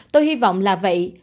tôi hy vọng là vậy